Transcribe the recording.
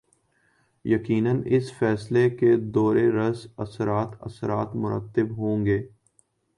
یقینااس فیصلے کے دور رس اثرات اثرات مرتب ہو ں گے۔